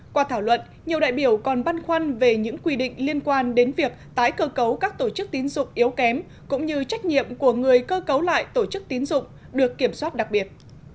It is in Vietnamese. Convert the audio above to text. qua thảo luận nhiều đại biểu còn băn khoăn về những quy định liên quan đến việc tái cơ cấu các tổ chức tín dụng yếu kém cũng như trách nhiệm của người cơ cấu lại tổ chức tín dụng được kiểm soát đặc biệt